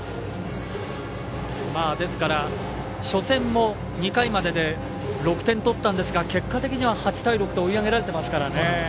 ですから初戦も２回までで６点取ったんですが結果的には８対６と追いかけられてますからね。